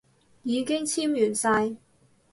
已經簽完晒